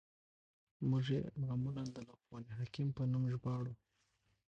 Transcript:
موږ ئې معمولاً د لقمان حکيم په نوم ژباړو.